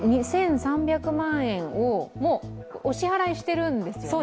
２３００万円を、もうお支払いしているんですよね？